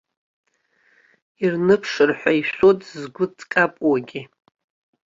Ирныԥшыр ҳәа ишәоит згәы ҵкапуагьы.